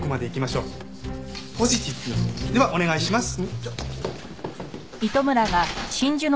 ではお願いします。